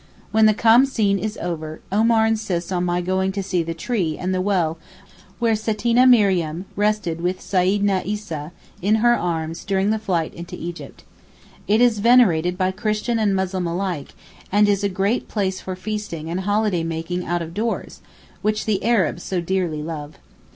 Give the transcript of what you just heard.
When the Khamseen is over, Omar insists on my going to see the tree and the well where Sittina Mariam rested with Seyidna Issa in her arms during the flight into Egypt. It is venerated by Christian and Muslim alike, and is a great place for feasting and holiday making out of doors, which the Arabs so dearly love.